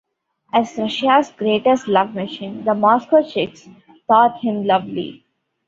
As "Russia's greatest love machine", the "Moscow chicks" thought him lovely.